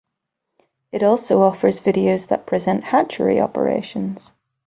It also offers videos that present hatchery operations.